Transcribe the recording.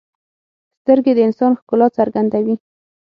سترګې د انسان ښکلا څرګندوي